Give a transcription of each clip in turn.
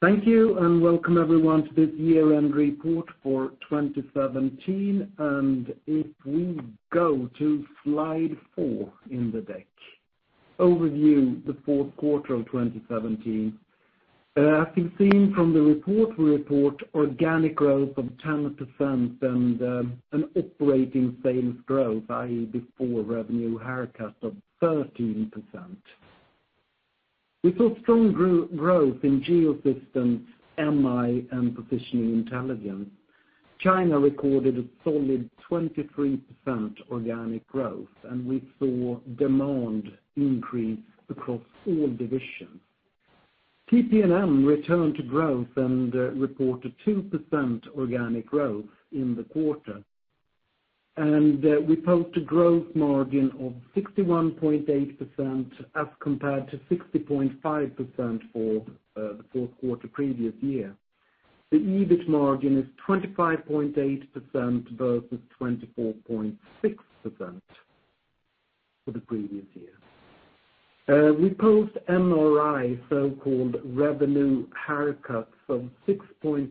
Thank you, welcome everyone to this year-end report for 2017. If we go to Slide 4 in the deck, overview the fourth quarter of 2017. As you've seen from the report, we report organic growth of 10% an operating sales growth, i.e., before revenue haircuts of 13%. We saw strong growth in Geosystems, MI, and Positioning Intelligence. China recorded a solid 23% organic growth, we saw demand increase across all divisions. PP&M returned to growth reported 2% organic growth in the quarter, we post a growth margin of 61.8% as compared to 60.5% for the fourth quarter previous year. The EBIT margin is 25.8% versus 24.6% for the previous year. We post MRI, so-called revenue haircuts of 6.3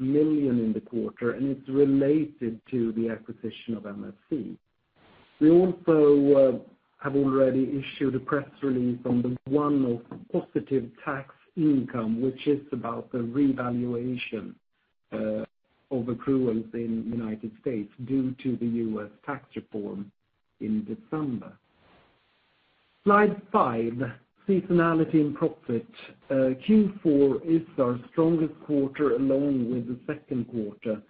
million in the quarter, it's related to the acquisition of MSC. We also have already issued a press release on the one-off positive tax income, which is about the revaluation of accruals in the U.S. due to the U.S. tax reform in December. Slide 5, seasonality and profit. Q4 is our strongest quarter, along with the second quarter,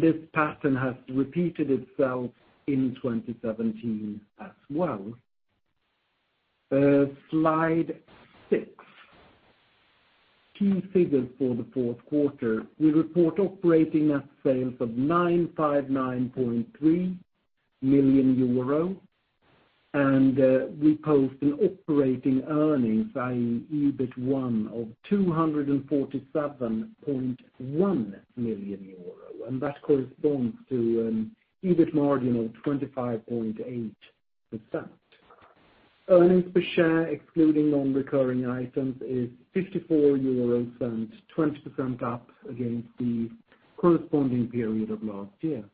this pattern has repeated itself in 2017 as well. Slide 6. Key figures for the fourth quarter. We report operating at sales of 959.3 million euro, we post an operating earnings, i.e., EBIT1, of 247.1 million euro, that corresponds to an EBIT margin of 25.8%. Earnings per share, excluding non-recurring items, is 54.20 euros up against the corresponding period of last year.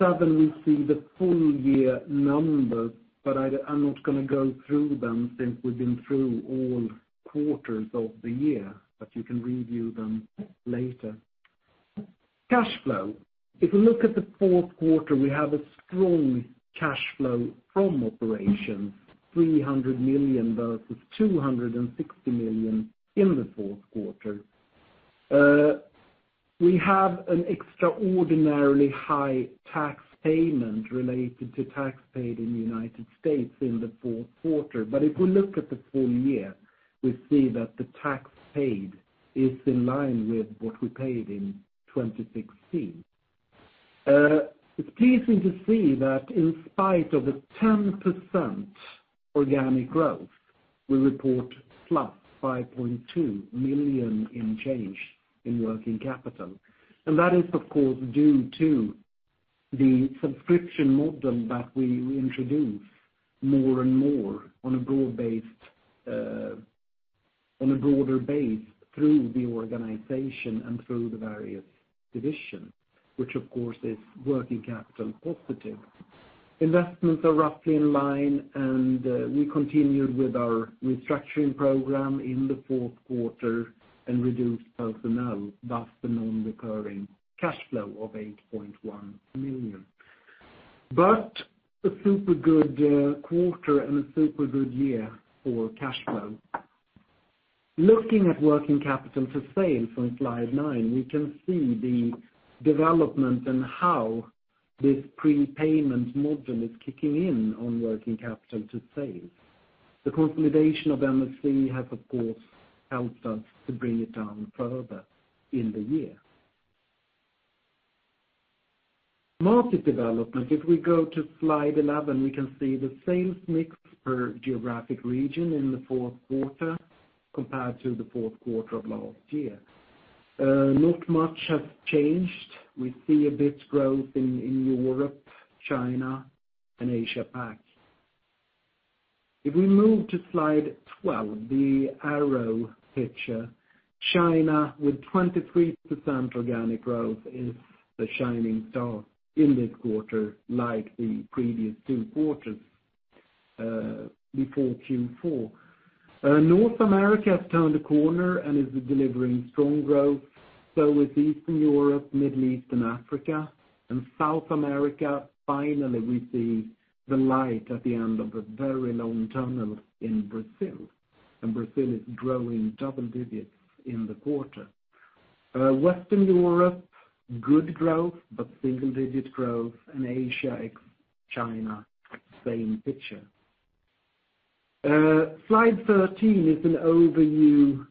On Slide 7, we see the full year numbers, I'm not going to go through them since we've been through all quarters of the year, you can review them later. Cash flow. If you look at the fourth quarter, we have a strong cash flow from operations, 300 million versus 260 million in the fourth quarter. We have an extraordinarily high tax payment related to tax paid in the U.S. in the fourth quarter. If we look at the full year, we see that the tax paid is in line with what we paid in 2016. It's pleasing to see that in spite of the 10% organic growth, we report flat 5.2 million in change in working capital. That is, of course, due to the subscription model that we introduce more and more on a broader base through the organization through the various divisions, which, of course, is working capital positive. Investments are roughly in line, we continued with our restructuring program in the fourth quarter reduced personnel, thus the non-recurring cash flow of EUR 8.1 million. A super good quarter a super good year for cash flow. Looking at working capital to sales on Slide 9, we can see the development how this prepayment model is kicking in on working capital to sales. The consolidation of MFC has, of course, helped us to bring it down further in the year. Market development. If we go to Slide 11, we can see the sales mix per geographic region in the fourth quarter compared to the fourth quarter of last year. Not much has changed. We see a bit growth in Europe, China, Asia Pac. If we move to Slide 12, the arrow picture, China with 23% organic growth is the shining star in this quarter like the previous two quarters, before Q4. North America has turned a corner is delivering strong growth. So is Eastern Europe, Middle East, Africa. South America, finally, we see the light at the end of a very long tunnel in Brazil. Brazil is growing double digits in the quarter. Western Europe, good growth, but single-digit growth. Asia, ex China, same picture. Slide 13 is an overview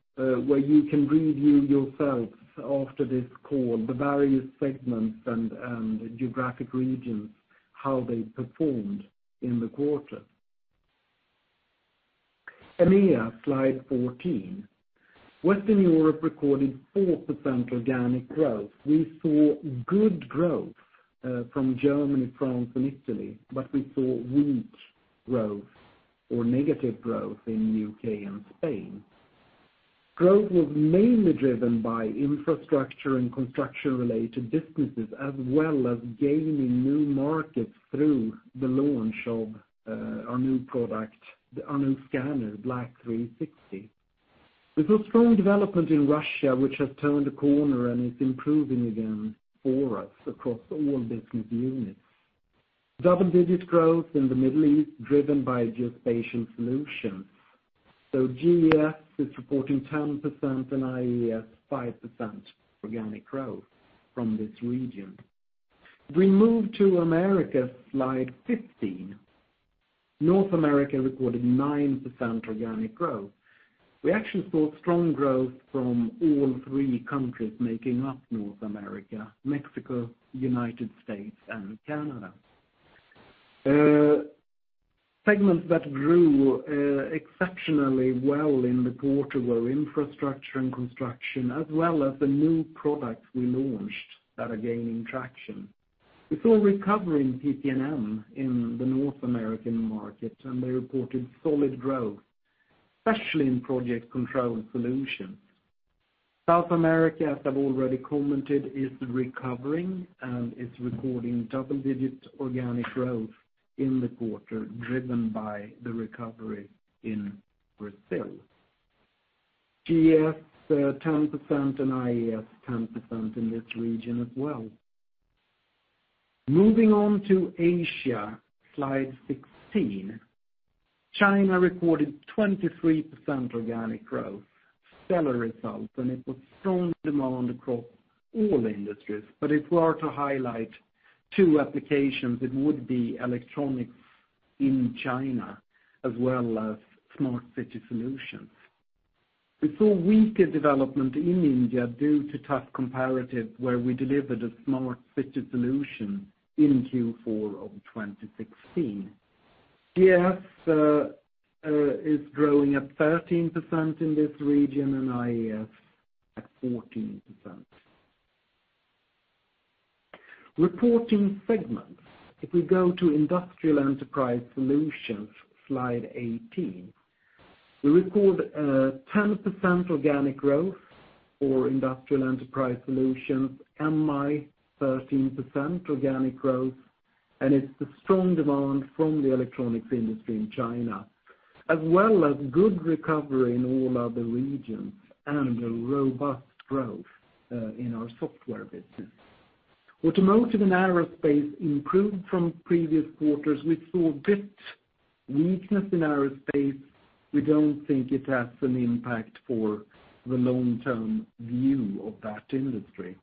where you can review yourselves after this call, the various segments and geographic regions, how they performed in the quarter. EMEA. Slide 14. Western Europe recorded 4% organic growth. We saw good growth from Germany, France, and Italy, but we saw weak growth or negative growth in U.K. and Spain. Growth was mainly driven by infrastructure and construction-related businesses, as well as gaining new markets through the launch of our new product, the BLK360. We saw strong development in Russia, which has turned a corner and is improving again for us across all business units. Double-digit growth in the Middle East driven by Geospatial Solutions. GES is reporting 10% and IES 5% organic growth from this region. We move to Americas. Slide 15. North America recorded 9% organic growth. We actually saw strong growth from all three countries making up North America, Mexico, United States, and Canada. Segments that grew exceptionally well in the quarter were infrastructure and construction, as well as the new products we launched that are gaining traction. We saw a recovery in PP&M in the North American market, and they reported solid growth, especially in project control solutions. South America, as I've already commented, is recovering and is recording double-digit organic growth in the quarter, driven by the recovery in Brazil. GES 10% and IES 10% in this region as well. Moving on to Asia. Slide 16. China recorded 23% organic growth, stellar results. It was strong demand across all industries. If we are to highlight two applications, it would be electronics in China as well as smart city solutions. We saw weaker development in India due to tough comparatives where we delivered a smart city solution in Q4 of 2016. GES is growing at 13% in this region and IES at 14%. Reporting segments. If we go to Industrial Enterprise Solutions, slide 18, we record 10% organic growth for Industrial Enterprise Solutions, MI 13% organic growth. It's the strong demand from the electronics industry in China, as well as good recovery in all other regions and a robust growth in our software business. Automotive and aerospace improved from previous quarters. We saw a bit weakness in aerospace. We don't think it has an impact for the long-term view of that industry.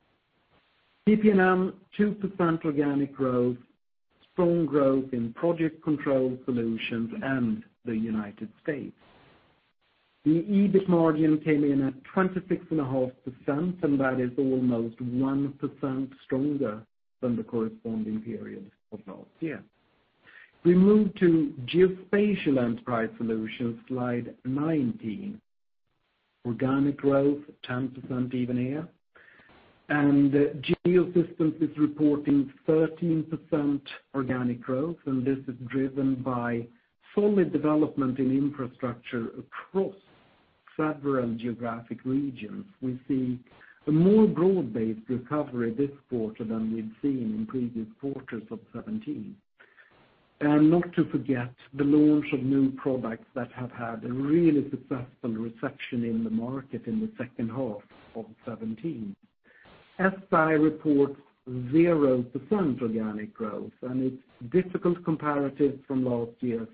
PP&M, 2% organic growth, strong growth in project control solutions and the United States. The EBIT margin came in at 26.5%. That is almost 1% stronger than the corresponding period of last year. We move to Geospatial Enterprise Solutions. Slide 19. Organic growth, 10% even here. Geosystems is reporting 13% organic growth. This is driven by solid development in infrastructure across several geographic regions. We see a more broad-based recovery this quarter than we've seen in previous quarters of 2017. Not to forget the launch of new products that have had a really successful reception in the market in the second half of 2017. SI reports 0% organic growth. It's difficult comparatives from last year's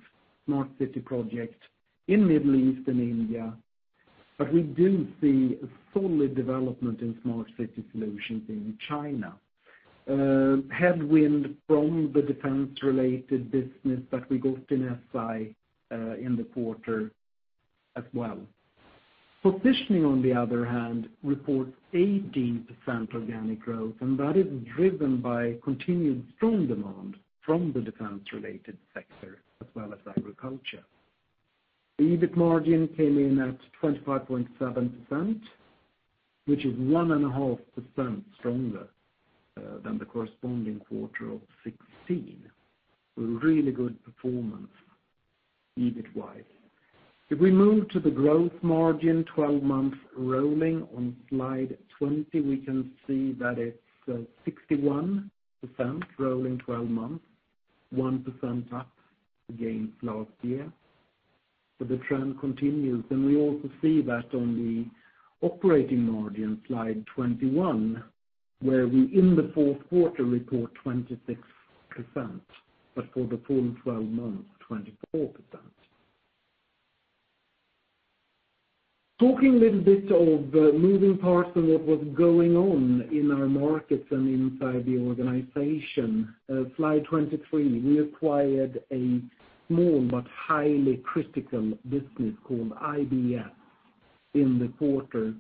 smart city project in Middle East and India, but we do see a solid development in smart city solutions in China. Headwind from the defense-related business that we got in SI in the quarter as well. Positioning, on the other hand, reports 18% organic growth. That is driven by continued strong demand from the defense-related sector as well as agriculture. The EBIT margin came in at 25.7%, which is 1.5% stronger than the corresponding quarter of 2016, a really good performance EBIT-wise. We move to the growth margin, 12 months rolling on slide 20, we can see that it's 61% rolling 12 months, 1% up against last year. The trend continues. We also see that on the operating margin, slide 21, where we in the fourth quarter report 26%, but for the full 12 months, 24%. Talking a little of moving parts and what was going on in our markets and inside the organization, slide 23, we acquired a small but highly critical business called IDS in the quarter.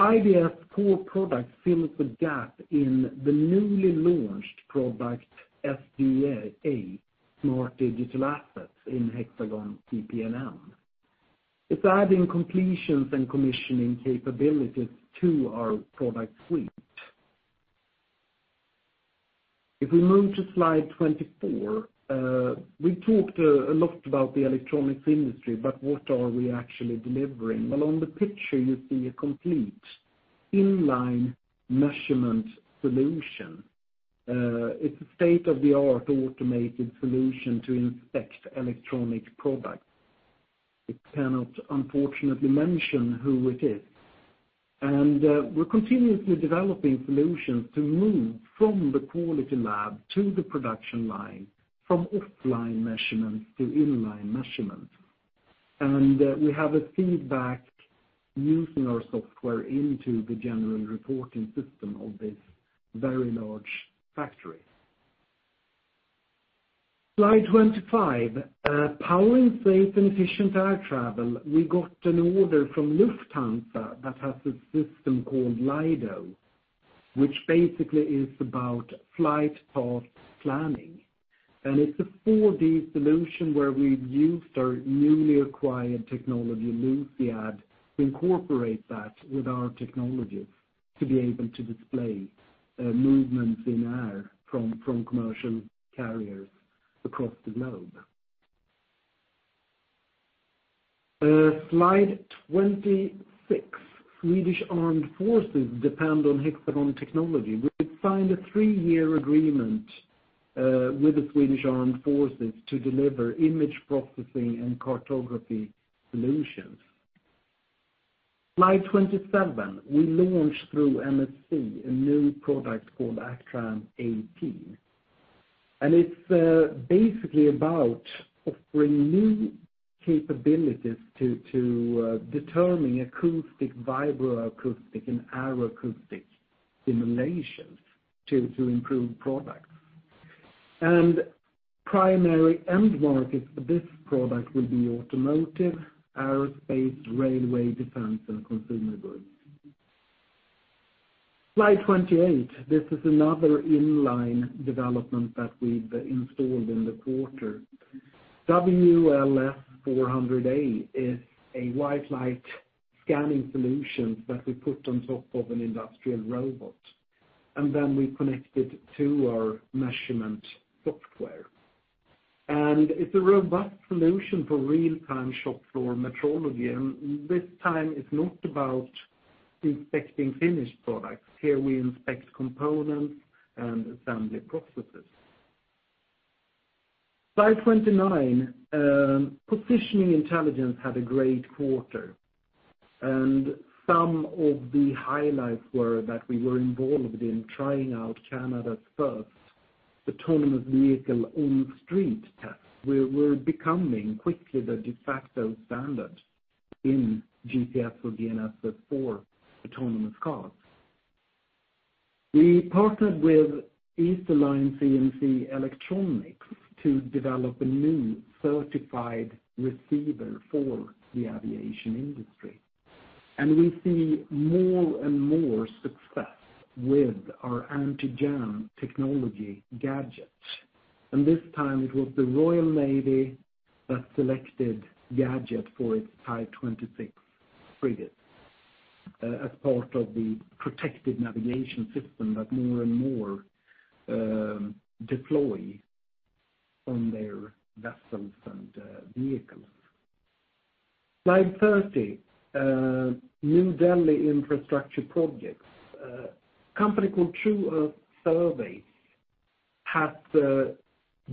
IDS core product fills the gap in the newly launched product SDA, Smart Digital Assets in Hexagon PPM. It's adding completions and commissioning capabilities to our product suite. We move to slide 24, we talked a lot about the electronics industry, but what are we actually delivering? On the picture you see a complete inline measurement solution. It's a state-of-the-art automated solution to inspect electronic products. We cannot, unfortunately, mention who it is. We're continuously developing solutions to move from the quality lab to the production line, from offline measurements to inline measurements. We have a feedback using our software into the general reporting system of this very large factory. Slide 25. Powering safe and efficient air travel. We got an order from Lufthansa that has a system called LIDO, which basically is about flight path planning. It's a 4D solution where we've used our newly acquired technology, Luciad, to incorporate that with our technologies to be able to display movements in air from commercial carriers across the globe. Slide 26. Swedish Armed Forces depend on Hexagon technology. We signed a three-year agreement with the Swedish Armed Forces to deliver image processing and cartography solutions. Slide 27. We launched, through MSC, a new product called Actran 18. It's basically about offering new capabilities to determine acoustic, vibroacoustic, and aeroacoustic simulations to improve products. Primary end markets for this product will be automotive, aerospace, railway, defense, and consumer goods. Slide 28. This is another inline development that we've installed in the quarter. WLS400A is a white light scanning solution that we put on top of an industrial robot. Then we connected to our measurement software. It's a robust solution for real-time shop floor metrology. This time it's not about inspecting finished products. Here we inspect components and assembly processes. Slide 29. Positioning Intelligence had a great quarter. Some of the highlights were that we were involved in trying out Canada's first autonomous vehicle on-street test, where we're becoming quickly the de facto standard in GPS or GNSS for autonomous cars. We partnered with Esterline CMC Electronics to develop a new certified receiver for the aviation industry. We see more and more success with our anti-jam technology GAJT. This time it was the Royal Navy that selected GAJT for its Type 26 frigates as part of the protected navigation system that more and more deploy on their vessels and vehicles. Slide 30. New Delhi infrastructure projects. A company called True Earth Surveys has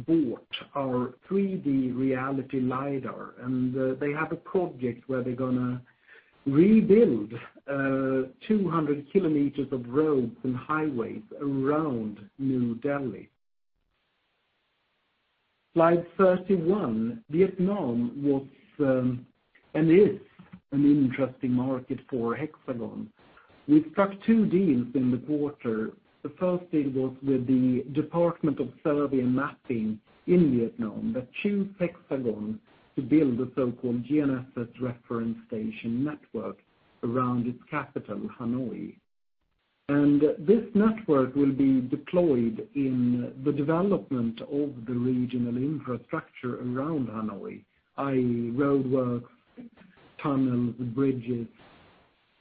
bought our 3D reality LIDAR, they have a project where they're going to rebuild 200 km of roads and highways around New Delhi. Slide 31. Vietnam was, and is, an interesting market for Hexagon. We've struck two deals in the quarter. The first deal was with the Department of Survey and Mapping in Vietnam that choose Hexagon to build a so-called GNSS reference station network around its capital, Hanoi. This network will be deployed in the development of the regional infrastructure around Hanoi, i.e., roadworks, tunnels, bridges,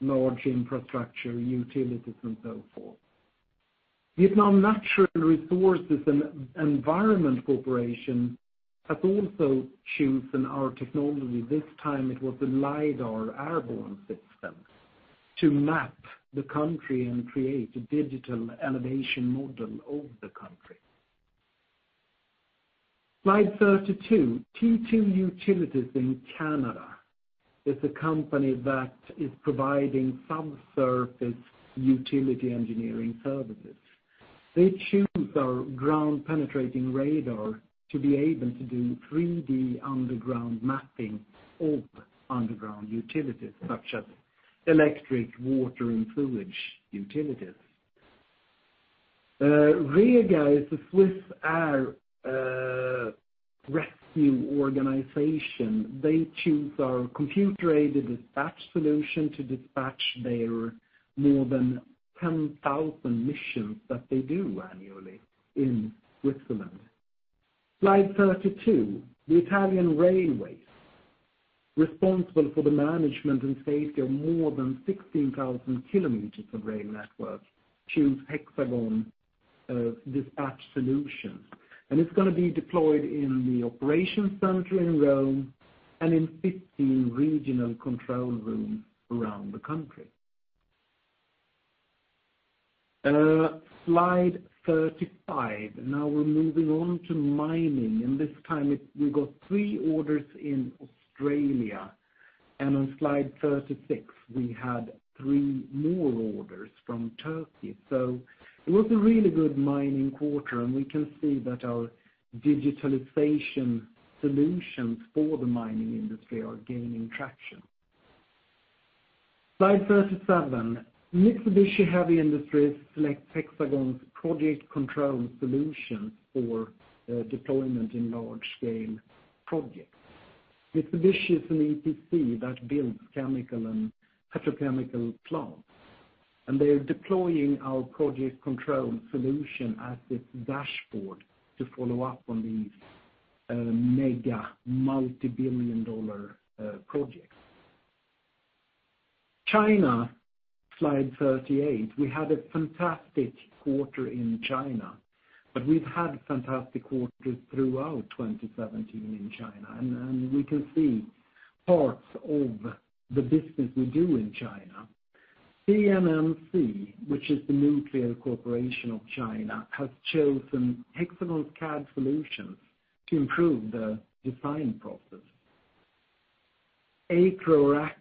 large infrastructure, utilities, and so forth. Vietnam Natural Resources and Environment Corporation has also chosen our technology. This time it was a LIDAR airborne system to map the country and create a digital elevation model of the country. Slide 32. T2 Utilities in Canada is a company that is providing subsurface utility engineering services. They choose our ground-penetrating radar to be able to do 3D underground mapping of underground utilities, such as electric, water, and sewage utilities. Rega is a Swiss air rescue organization. They choose our computer-aided dispatch solution to dispatch their more than 10,000 missions that they do annually in Switzerland. Slide 32. The Italian railways, responsible for the management and safety of more than 16,000 km of rail network, choose Hexagon dispatch solutions. It's going to be deployed in the operation center in Rome and in 15 regional control rooms around the country. Slide 35. Now we're moving on to mining, this time we got three orders in Australia, on Slide 36, we had three more orders from Turkey. It was a really good mining quarter, we can see that our digitalization solutions for the mining industry are gaining traction. Slide 37. Mitsubishi Heavy Industries select Hexagon's project control solutions for deployment in large-scale projects. Mitsubishi is an EPC that builds chemical and petrochemical plants, they are deploying our project control solution as its dashboard to follow up on these mega multibillion-dollar projects. China, Slide 38. We had a fantastic quarter in China, we've had fantastic quarters throughout 2017 in China. We can see parts of the business we do in China. CNNC, which is the Nuclear Corporation of China, has chosen Hexagon's CAD solutions to improve the design process. Acre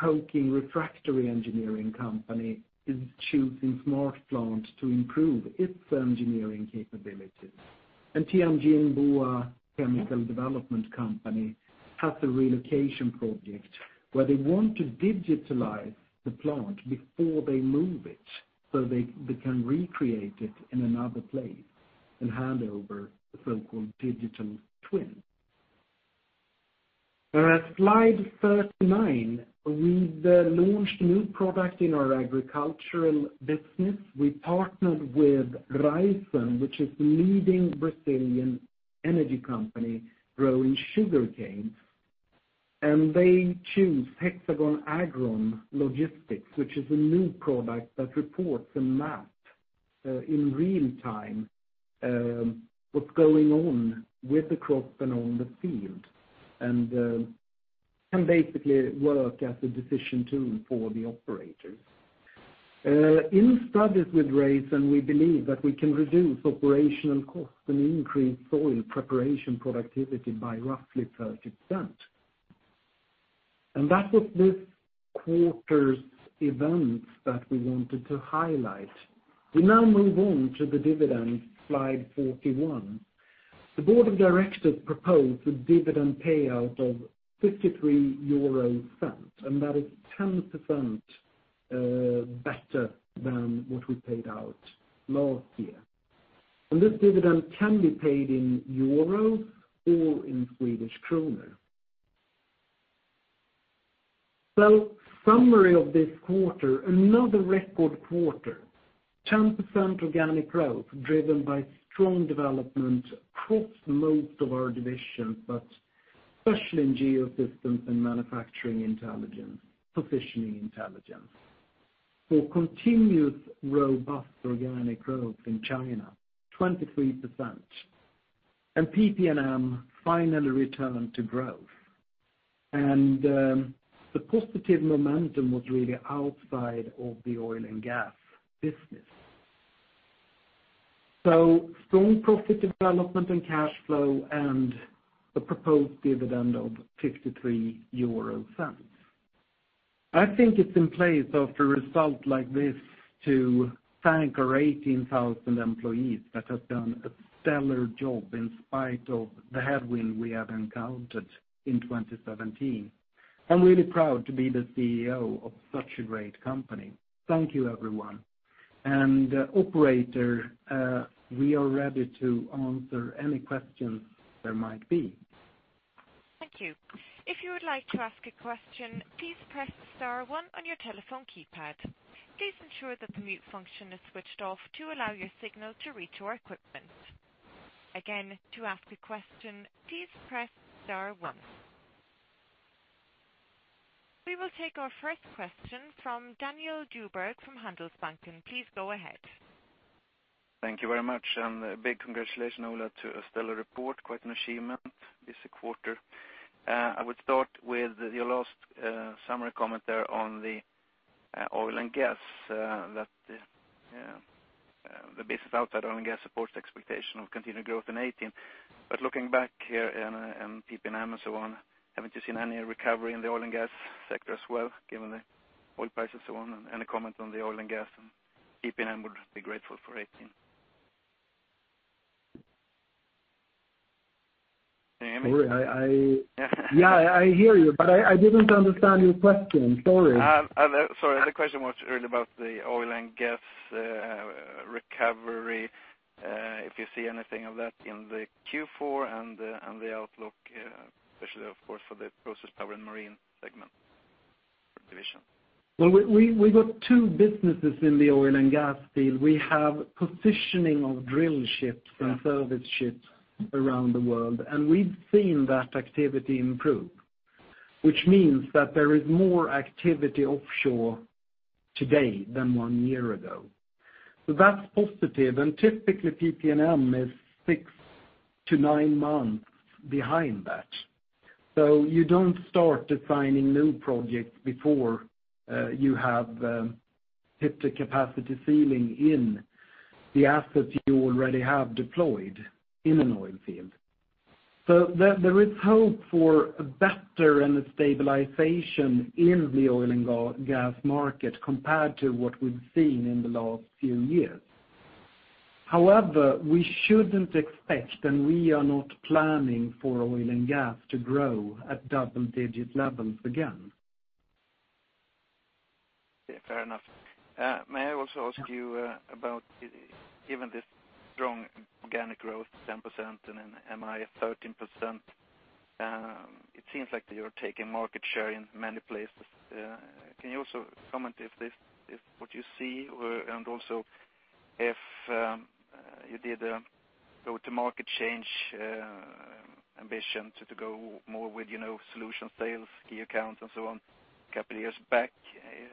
Coking Refractory engineering company is choosing SmartPlant to improve its engineering capabilities. Tianjin Bohua Chemical Development Company has a relocation project where they want to digitalize the plant before they move it so they can recreate it in another place and hand over the so-called digital twin. Slide 39. We've launched new product in our agricultural business. We partnered with Raízen, which is the leading Brazilian energy company growing sugarcane, they choose HxGN AgrOn Logistics, which is a new product that reports a map in real time, what's going on with the crop and on the field, and can basically work as a decision tool for the operators. In studies with Raízen, we believe that we can reduce operational costs and increase soil preparation productivity by roughly 30%. That was this quarter's events that we wanted to highlight. We now move on to the dividend, Slide 41. The board of directors proposed a dividend payout of 0.53, that is 10% better than what we paid out last year. This dividend can be paid in EUR or in Swedish krona. Summary of this quarter, another record quarter, 10% organic growth driven by strong development across most of our divisions, but especially in Geosystems and Manufacturing Intelligence, Positioning Intelligence. Continuous robust organic growth in China, 23%, and PP&M finally returned to growth. The positive momentum was really outside of the oil and gas business. Strong profit development and cash flow and a proposed dividend of 0.53. I think it's in place after a result like this to thank our 18,000 employees that have done a stellar job in spite of the headwind we have encountered in 2017. I'm really proud to be the CEO of such a great company. Thank you, everyone. Operator, we are ready to answer any questions there might be. Thank you. If you would like to ask a question, please press star one on your telephone keypad. Please ensure that the mute function is switched off to allow your signal to reach our equipment. Again, to ask a question, please press star one. We will take our first question from Daniel Djurberg from Handelsbanken. Please go ahead. Thank you very much, a big congratulations, Ola, to a stellar report. Quite an achievement this quarter. I would start with your last summary comment there on the oil and gas, that the business outside oil and gas supports the expectation of continued growth in 2018. Looking back here in PP&M and so on, haven't you seen any recovery in the oil and gas sector as well, given the oil price and so on? A comment on the oil and gas and PP&M would be grateful for 2018. Yeah, I hear you, but I didn't understand your question. Sorry. Sorry. The question was really about the oil and gas recovery, if you see anything of that in the Q4 and the outlook, especially, of course, for the process, power, and marine segment or division. Well, we've got two businesses in the oil and gas field. We have positioning of drill ships and service ships around the world, and we've seen that activity improve, which means that there is more activity offshore today than one year ago. That's positive, and typically, PP&M is six to nine months behind that. You don't start designing new projects before you have hit the capacity ceiling in the assets you already have deployed in an oil field. There is hope for better and a stabilization in the oil and gas market compared to what we've seen in the last few years. We shouldn't expect, and we are not planning for oil and gas to grow at double-digit levels again. Yeah, fair enough. May I also ask you about, given this strong organic growth, 10%, and then MI at 13%, it seems like you're taking market share in many places. Can you also comment if what you see, and also if you did go to market change ambition to go more with solution sales, key accounts, and so on a couple of years back,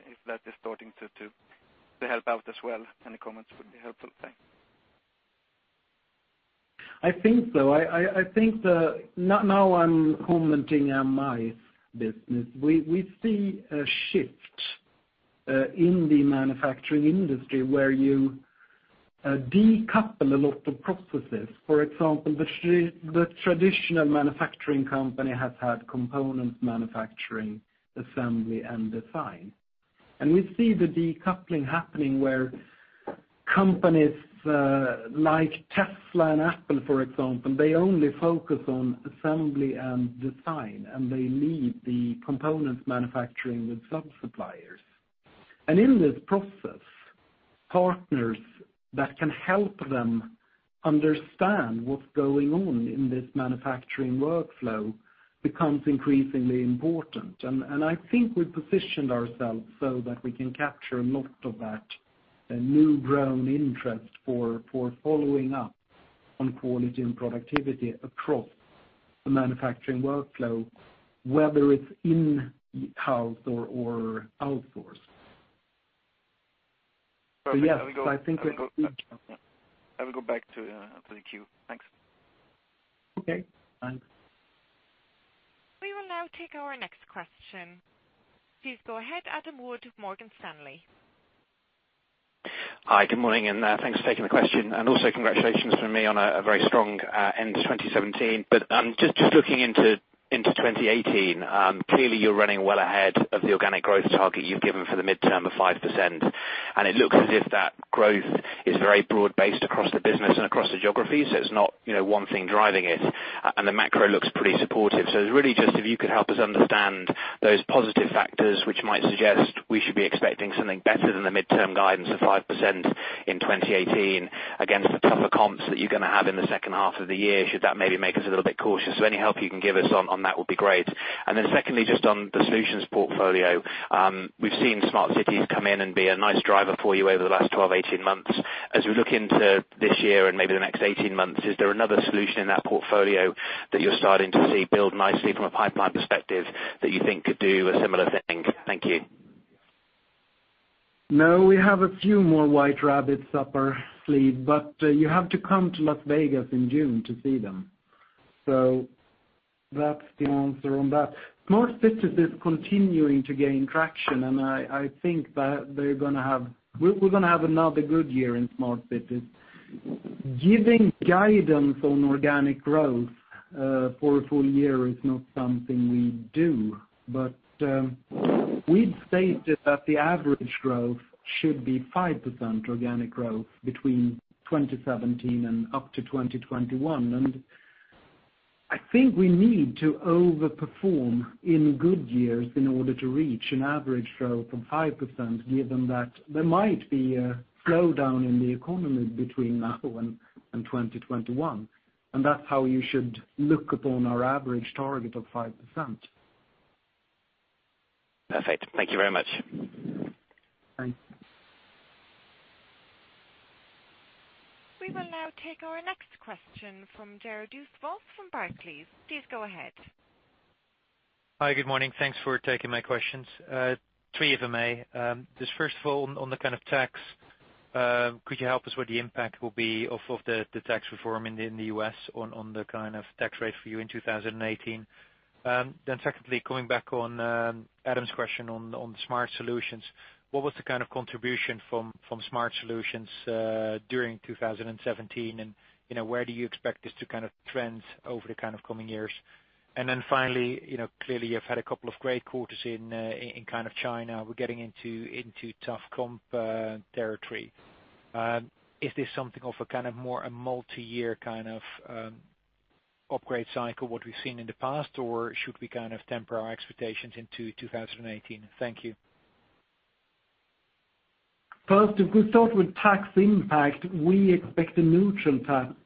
if that is starting to help out as well? Any comments would be helpful. Thanks. I think so. Now I'm commenting on my business. We see a shift in the manufacturing industry where you decouple a lot of processes. For example, the traditional manufacturing company has had component manufacturing, assembly, and design. We see the decoupling happening where companies like Tesla and Apple, for example, they only focus on assembly and design, and they leave the components manufacturing with sub-suppliers. In this process, partners that can help them understand what's going on in this manufacturing workflow becomes increasingly important. I think we positioned ourselves so that we can capture a lot of that new-grown interest for following up on quality and productivity across the manufacturing workflow, whether it's in-house or outsourced. Yes, I think that we. I will go back to the queue. Thanks. Okay. Thanks. We will now take our next question. Please go ahead, Adam Wood of Morgan Stanley. Hi, good morning, and thanks for taking the question. Also congratulations from me on a very strong end to 2017. Just looking into 2018, clearly you're running well ahead of the organic growth target you've given for the midterm of 5%, and it looks as if that growth is very broad-based across the business and across the geographies. It's not one thing driving it, and the macro looks pretty supportive. It's really just if you could help us understand those positive factors which might suggest we should be expecting something better than the midterm guidance of 5% in 2018 against the tougher comps that you're going to have in the second half of the year. Should that maybe make us a little bit cautious? Any help you can give us on that would be great. Secondly, just on the solutions portfolio. We've seen Smart Cities come in and be a nice driver for you over the last 12, 18 months. As we look into this year and maybe the next 18 months, is there another solution in that portfolio that you're starting to see build nicely from a pipeline perspective that you think could do a similar thing? Thank you. We have a few more white rabbits up our sleeve, but you have to come to Las Vegas in June to see them. That's the answer on that. Smart Cities is continuing to gain traction, and I think we're going to have another good year in Smart Cities. Giving guidance on organic growth for a full year is not something we do, but we've stated that the average growth should be 5% organic growth between 2017 and up to 2021. I think we need to over-perform in good years in order to reach an average growth of 5%, given that there might be a slowdown in the economy between now and 2021. That's how you should look upon our average target of 5%. Perfect. Thank you very much. Thanks. We will now take our next question from Gerardus Vos from Barclays. Please go ahead. Hi, good morning. Thanks for taking my questions. Three, if I may. Just first of all, on the kind of tax, could you help us what the impact will be of the tax reform in the U.S. on the kind of tax rate for you in 2018? Secondly, coming back on Adam's question on Smart Solutions, what was the kind of contribution from Smart Solutions during 2017, where do you expect this to trend over the coming years? Finally, clearly you've had a couple of great quarters in China. We're getting into tough comp territory. Is this something of a more multi-year kind of upgrade cycle, what we've seen in the past? Should we temper our expectations into 2018? Thank you. First, if we start with tax impact, we expect a neutral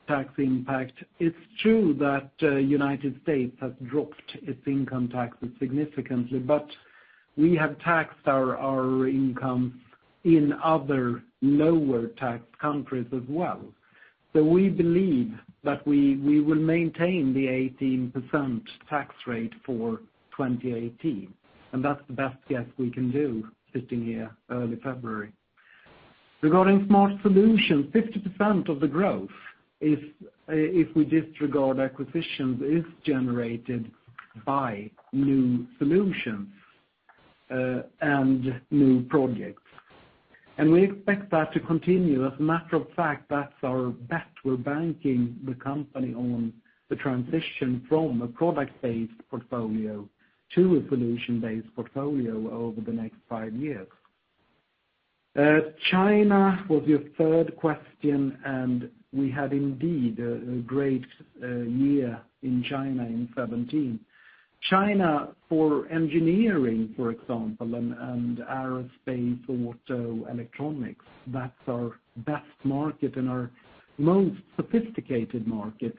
tax impact. It's true that United States has dropped its income taxes significantly, but we have taxed our income in other lower tax countries as well. We believe that we will maintain the 18% tax rate for 2018, that's the best guess we can do sitting here early February. Regarding Smart Solutions, 50% of the growth, if we disregard acquisitions, is generated by new solutions, new projects. We expect that to continue. As a matter of fact, that's our bet. We're banking the company on the transition from a product-based portfolio to a solution-based portfolio over the next five years. China was your third question, we had indeed a great year in China in 2017. China for engineering, for example, aerospace, auto, electronics, that's our best market and our most sophisticated market.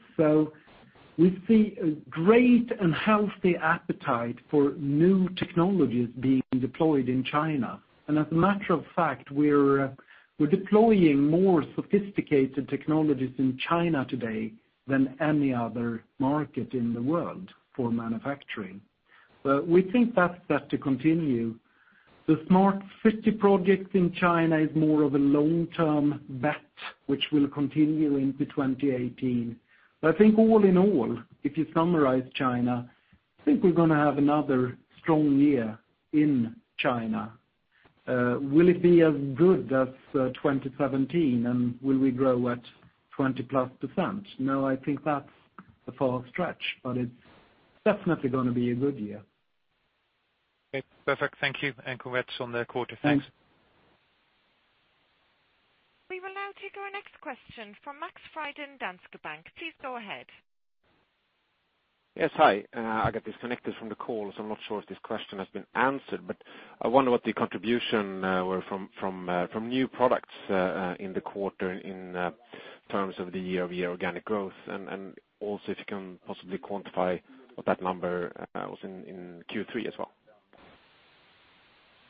We see a great and healthy appetite for new technologies being deployed in China. As a matter of fact, we're deploying more sophisticated technologies in China today than any other market in the world for manufacturing. We think that's set to continue. The Smart 50 project in China is more of a long-term bet, which will continue into 2018. I think all in all, if you summarize China, I think we're going to have another strong year in China. Will it be as good as 2017, will we grow at 20+%? No, I think that's a far stretch, but it's definitely going to be a good year. Okay, perfect. Thank you, and congrats on the quarter. Thanks. We will now take our next question from Max Frydén, Danske Bank. Please go ahead. Yes, hi. I got disconnected from the call, so I'm not sure if this question has been answered, but I wonder what the contribution were from new products, in the quarter in terms of the year-over-year organic growth, and also if you can possibly quantify what that number was in Q3 as well.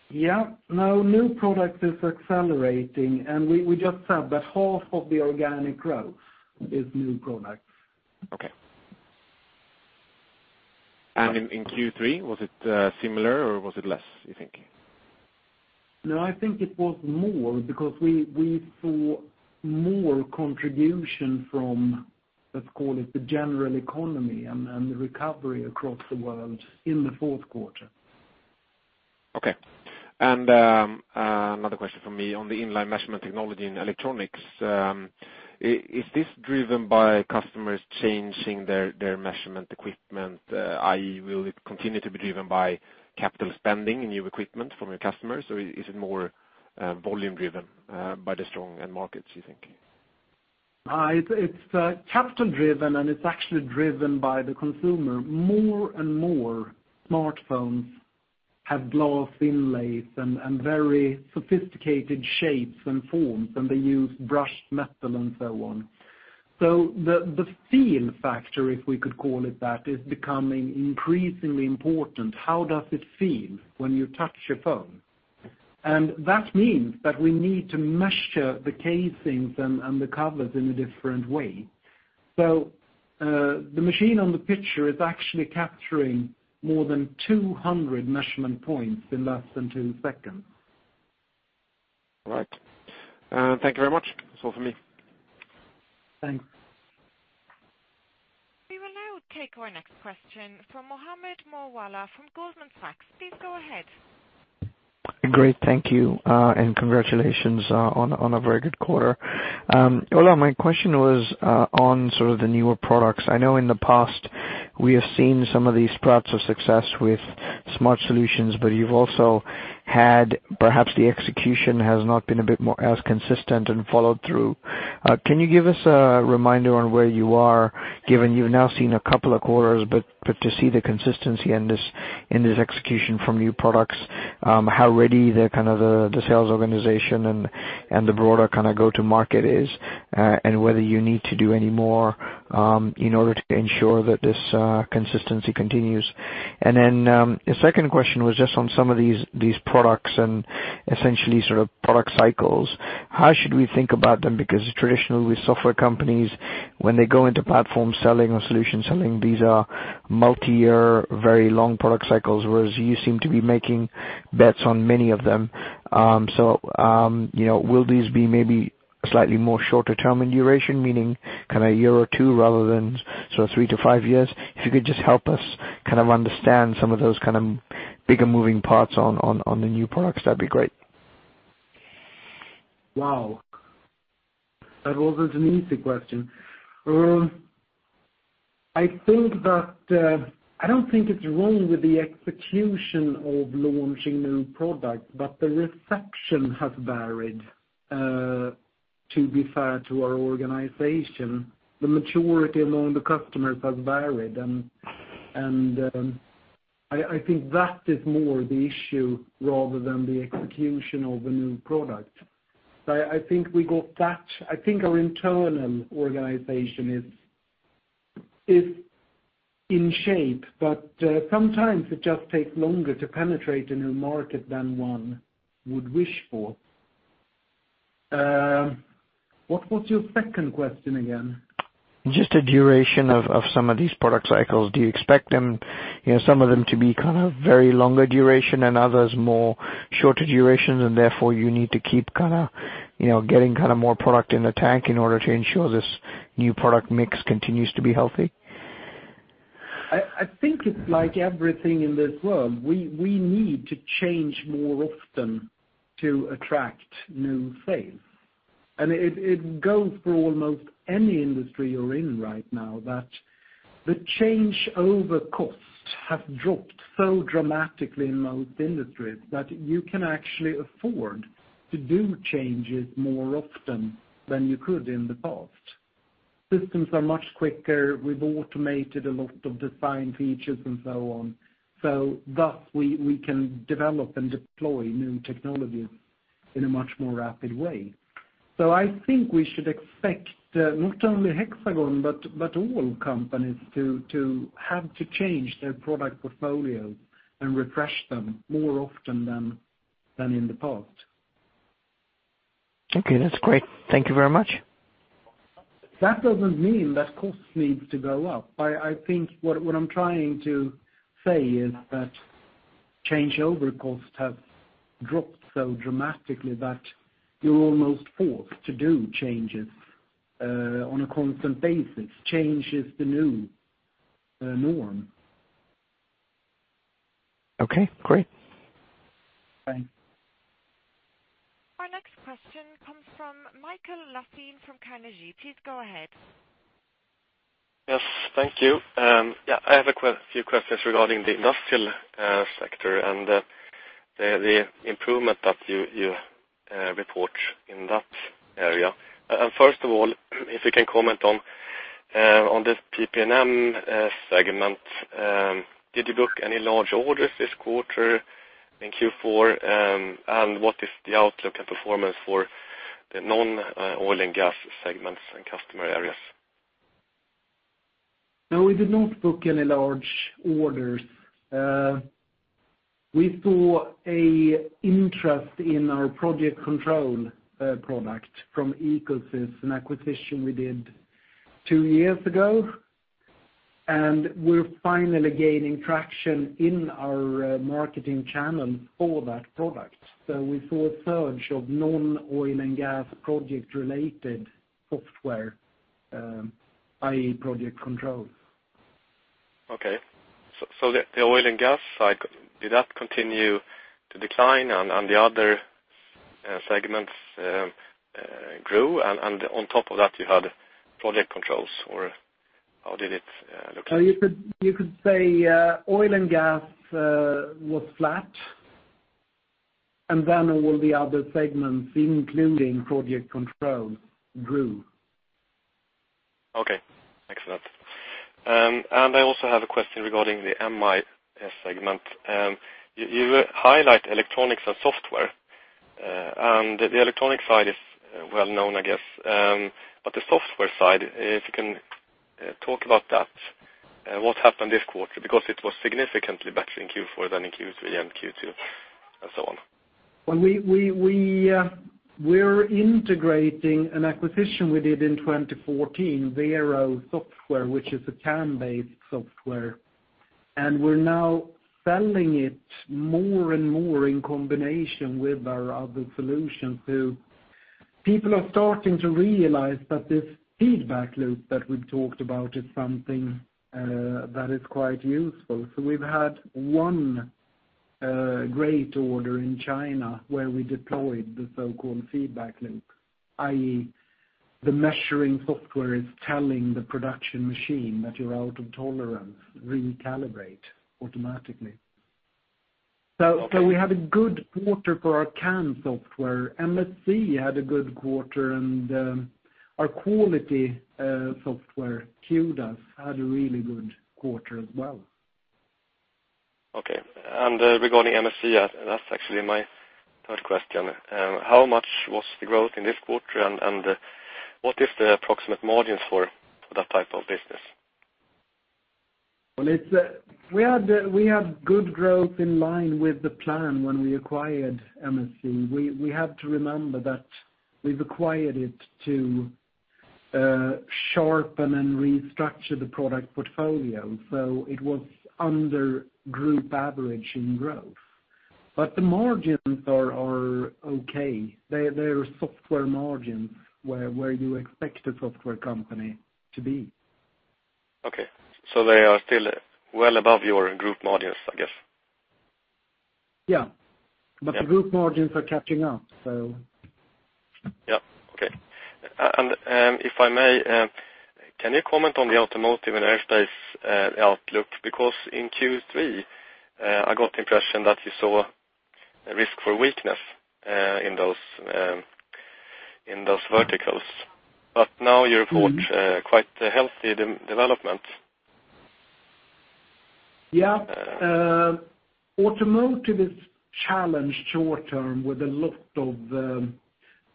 Yeah. No new product is accelerating, and we just said that half of the organic growth is new products. Okay. In Q3, was it similar or was it less, you think? No, I think it was more because we saw more contribution from, let's call it, the general economy and the recovery across the world in the fourth quarter. Okay. Another question from me on the inline measurement technology and electronics. Is this driven by customers changing their measurement equipment? Will it continue to be driven by capital spending in new equipment from your customers, or is it more volume driven by the strong end markets, you think? It's capital driven, and it's actually driven by the consumer. More and more smartphones have glass inlays and very sophisticated shapes and forms, and they use brushed metal and so on. The feel factor, if we could call it that, is becoming increasingly important. How does it feel when you touch a phone? That means that we need to measure the casings and the covers in a different way. The machine on the picture is actually capturing more than 200 measurement points in less than two seconds. All right. Thank you very much. That's all for me. Thanks. We will now take our next question from Mohammed Moawalla from Goldman Sachs. Please go ahead. Great. Thank you. Congratulations on a very good quarter. Ola, my question was on sort of the newer products. I know in the past we have seen some of the sprouts of success with smart solutions, but you've also had perhaps the execution has not been a bit more as consistent and followed through. Can you give us a reminder on where you are, given you've now seen a couple of quarters, but to see the consistency in this execution from new products, how ready the sales organization and the broader go-to market is, and whether you need to do any more in order to ensure that this consistency continues? The second question was just on some of these products and essentially sort of product cycles. How should we think about them? Traditionally with software companies, when they go into platform selling or solution selling, these are multi-year, very long product cycles, whereas you seem to be making bets on many of them. Will these be maybe slightly more shorter term in duration, meaning a year or two rather than three to five years? If you could just help us understand some of those bigger moving parts on the new products, that'd be great. Wow. That wasn't an easy question. I don't think it's wrong with the execution of launching new product, but the reception has varied, to be fair to our organization. The maturity among the customers has varied, and I think that is more the issue rather than the execution of the new product. I think our internal organization is in shape, but sometimes it just takes longer to penetrate a new market than one would wish for. What was your second question again? Just the duration of some of these product cycles. Do you expect some of them to be very longer duration and others more shorter duration, and therefore you need to keep getting more product in the tank in order to ensure this new product mix continues to be healthy? I think it's like everything in this world, we need to change more often to attract new things. It goes for almost any industry you're in right now, that the changeover costs have dropped so dramatically in most industries, that you can actually afford to do changes more often than you could in the past. Systems are much quicker. We've automated a lot of design features and so on. Thus, we can develop and deploy new technologies in a much more rapid way. I think we should expect not only Hexagon, but all companies to have to change their product portfolio and refresh them more often than in the past. Okay, that's great. Thank you very much. That doesn't mean that cost needs to go up. I think what I'm trying to say is that changeover costs have dropped so dramatically that you're almost forced to do changes on a constant basis. Change is the new norm. Okay, great. Thanks. Our next question comes from Mikael Laséen from Carnegie. Please go ahead. Yes, thank you. I have a few questions regarding the industrial sector and the improvement that you report in that area. First of all, if you can comment on the PP&M segment, did you book any large orders this quarter in Q4, and what is the outlook and performance for the non-oil and gas segments and customer areas? No, we did not book any large orders. We saw a interest in our project control product from EcoSys, an acquisition we did two years ago. We're finally gaining traction in our marketing channel for that product. We saw a surge of non-oil and gas project-related software, i.e. project control. Okay. The oil and gas side, did that continue to decline and the other segments grew? On top of that, you had project controls, or how did it look like? You could say oil and gas was flat, and then all the other segments, including project control, grew. Okay. Excellent. I also have a question regarding the MI segment. You highlight electronics and software. The electronic side is well-known, I guess. The software side, if you can talk about that, what happened this quarter? It was significantly better in Q4 than in Q3 and Q2 and so on. We're integrating an acquisition we did in 2014, Vero Software, which is a CAM-based software. We're now selling it more and more in combination with our other solutions. People are starting to realize that this feedback loop that we've talked about is something that is quite useful. We've had one great order in China where we deployed the so-called feedback link, i.e. the measuring software is telling the production machine that you're out of tolerance, recalibrate automatically. Okay. We had a good quarter for our CAM software. MSC had a good quarter, our quality software, Q-DAS, had a really good quarter as well. Okay. Regarding MSC, that's actually my third question. How much was the growth in this quarter, and what is the approximate margins for that type of business? We had good growth in line with the plan when we acquired MSC. We have to remember that we've acquired it to sharpen and restructure the product portfolio. It was under group average in growth. The margins are okay. They're software margins, where you expect a software company to be. Okay. They are still well above your group margins, I guess. Yeah. Yeah. The group margins are catching up. Yeah. Okay. If I may, can you comment on the automotive and aerospace outlook? In Q3, I got the impression that you saw a risk for weakness in those verticals. Now you report quite a healthy development. Yeah. Automotive is challenged short term with a lot of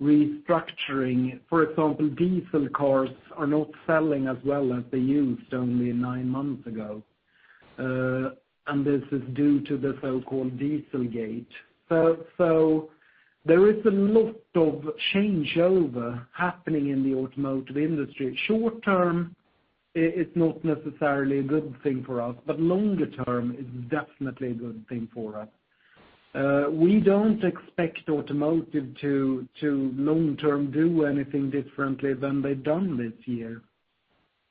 restructuring. For example, diesel cars are not selling as well as they used only nine months ago, and this is due to the so-called Dieselgate. There is a lot of changeover happening in the automotive industry. Short term, it's not necessarily a good thing for us, but longer term, it's definitely a good thing for us. We don't expect automotive to long term do anything differently than they've done this year,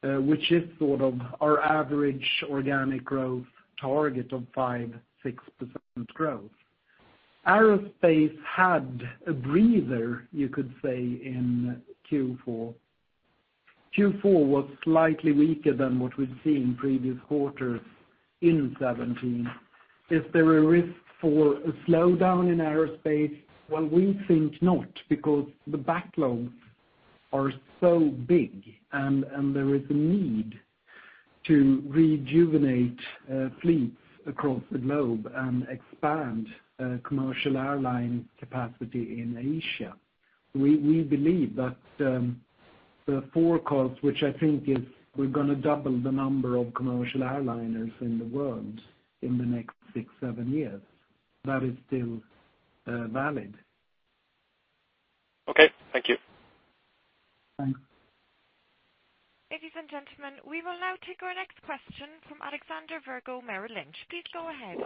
which is sort of our average organic growth target of 5%-6% growth. Aerospace had a breather, you could say, in Q4. Q4 was slightly weaker than what we've seen previous quarters in 2017. Is there a risk for a slowdown in aerospace? Well, we think not, because the backlogs are so big, and there is a need to rejuvenate fleets across the globe and expand commercial airline capacity in Asia. We believe that the forecast, which I think is we're going to double the number of commercial airliners in the world in the next six, seven years, that is still valid. Okay, thank you. Thanks. Ladies and gentlemen, we will now take our next question from Alexander Virgo, Merrill Lynch. Please go ahead.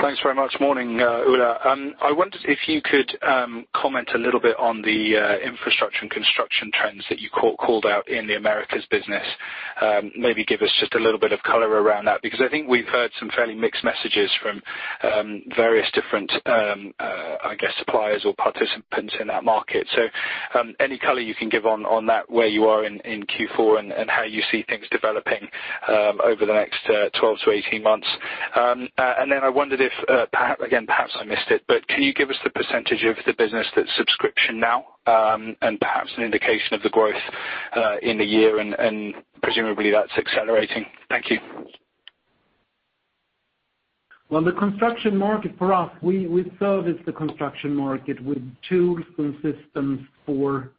Thanks very much. Morning, Ola. I wondered if you could comment a little bit on the infrastructure and construction trends that you called out in the Americas business. Maybe give us just a little bit of color around that, because I think we've heard some fairly mixed messages from various different suppliers or participants in that market. Any color you can give on that, where you are in Q4, and how you see things developing over the next 12 to 18 months. I wondered if perhaps, again, perhaps I missed it, but can you give us the % of the business that's subscription now, and perhaps an indication of the growth in a year, and presumably that's accelerating. Thank you. Well, the construction market for us, we service the construction market with tools and systems for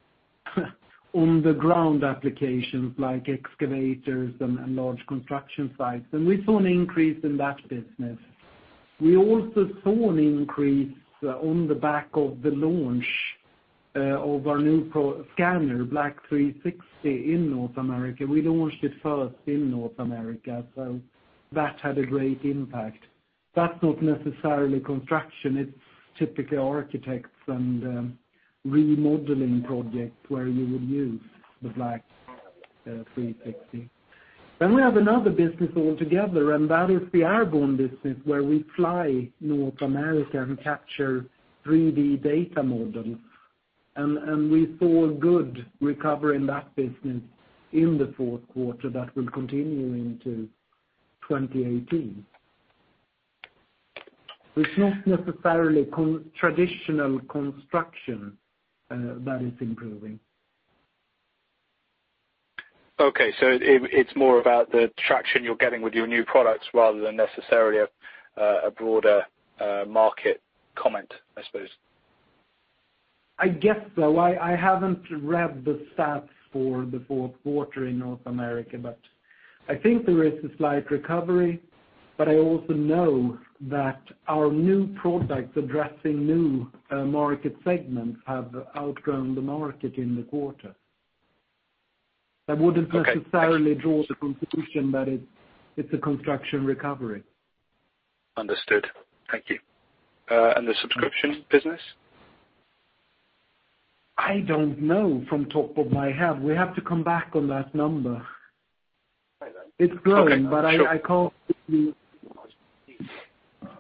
on-the-ground applications like excavators and large construction sites. We saw an increase in that business. We also saw an increase on the back of the launch of our new scanner, BLK360, in North America. We launched it first in North America, that had a great impact. That's not necessarily construction. It's typically architects and remodeling projects where you would use the BLK360. We have another business altogether, that is the airborne business where we fly North America and capture 3D data models. We saw a good recovery in that business in the fourth quarter that will continue into 2018. It's not necessarily traditional construction that is improving. Okay. It's more about the traction you're getting with your new products rather than necessarily a broader market comment, I suppose. I guess so. I haven't read the stats for the fourth quarter in North America, I think there is a slight recovery, I also know that our new products addressing new market segments have outgrown the market in the quarter. Okay. I wouldn't necessarily draw the conclusion that it's a construction recovery. Understood. Thank you. The subscription business? I don't know from top of my head. We have to come back on that number. Okay, sure. It's growing, I can't give you the numbers.